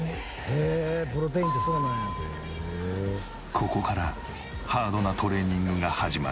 ここからハードなトレーニングが始まる。